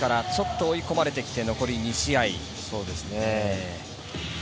追い込まれてきて残り２試合。